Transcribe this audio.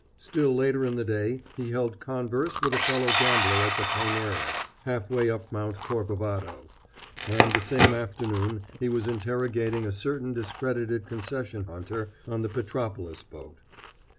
Still later in the day he held converse with a fellow gambler at the Paineiras, half way up Mount Corcovado; and the same afternoon he was interrogating a certain discredited concession hunter on the Petropolis boat.